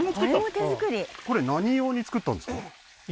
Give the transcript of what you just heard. うんこれ何用に造ったんですか？